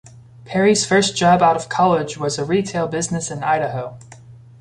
Perry's first job out of college was with a retail business in Idaho.